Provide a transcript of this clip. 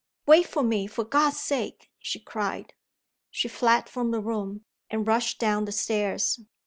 "Wait for me, for God's sake!" she cried. She fled from the room, and rushed down the stairs.